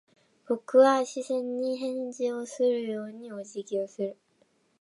僕は視線に返事をするようにお辞儀をする。